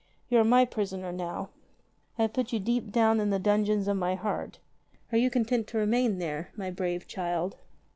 You are my prisoner now. I have put you deep down in the dungeon of my heart. Are you content to remain there, my brave child